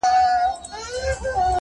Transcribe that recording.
• د ګل غونډۍ پر سره لمن له ارغوانه سره -